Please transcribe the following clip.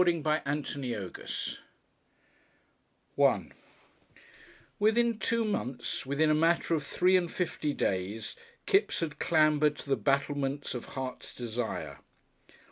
CHAPTER III ENGAGED §1 Within two months, within a matter of three and fifty days, Kipps had clambered to the battlements of Heart's Desire.